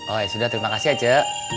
oh ya sudah terima kasih aceh